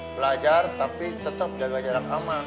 belajar tapi tetap jaga jarak aman